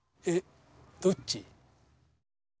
え、どっち？